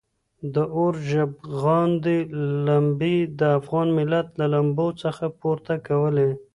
د اور ژبغړاندې لمبې د افغان ملت له لمنو څخه پورته کولې.